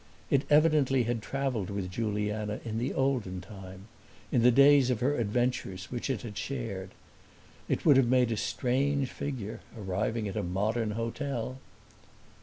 It evidently had traveled with Juliana in the olden time in the days of her adventures, which it had shared. It would have made a strange figure arriving at a modern hotel.